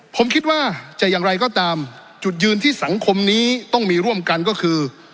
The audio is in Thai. ผมคิดว่าจะอย่างไรก็ตามจุดยืนที่สังคมนี้ต้องมีร่วมกันก็คือ